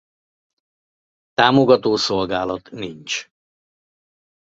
Támogató szolgálat nincs.